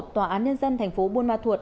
tòa án nhân dân thành phố buôn ma thuột